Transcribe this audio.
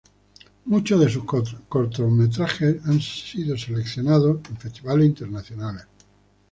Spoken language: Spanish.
Muchos de sus cortometrajes han sido seleccionados en festivales internacionales.